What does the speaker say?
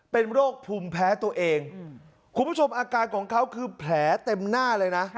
เป็นโรคภูมิแพ้ตัวเองคุณผู้ชมอาการของเขาคือแผลเต็มหน้าเลยนะ